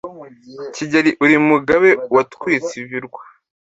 Kigeli uri Umugabe watwitse ibirwa